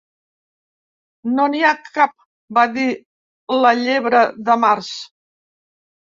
"No n'hi ha cap", va dir la Llebre de Març.